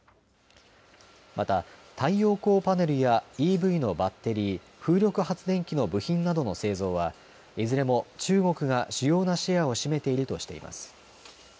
また太陽光パネルやＥＶのバッテリー、風力発電機の部品などの製造はいずれも中国が主要なシェアを占めているとしています。